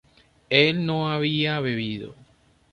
él no había bebido